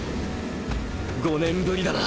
５年振りだな。